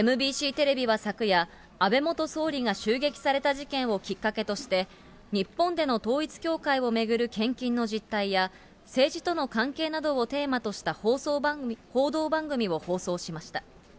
ＭＢＣテレビは昨夜、安倍元総理が襲撃された事件をきっかけとして、日本での統一教会を巡る献金の実態や、政治との関係などをテーマとした報道番組を放送しました。